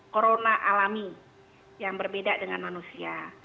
corona alami yang berbeda dengan manusia